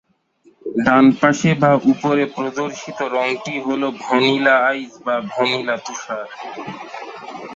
ডানপাশে বা উপরে প্রদর্শিত রঙটি হলো ভ্যানিলা আইস বা ভ্যানিলা তুষার।